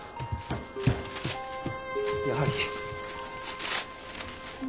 やはり。